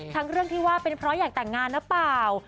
เรื่องที่ว่าเป็นเพราะอยากแต่งงานหรือเปล่า